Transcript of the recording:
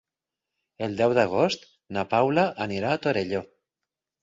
El deu d'agost na Paula anirà a Torelló.